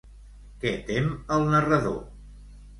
Què tem el narrador?